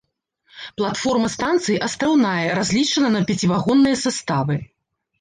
Платформа станцыі астраўная, разлічана на пяцівагонныя саставы.